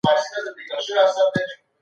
که کورنۍ هڅونه وکړي، علاقه نه کمیږي.